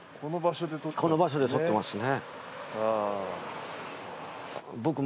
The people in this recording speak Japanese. この場所で撮ったんですね。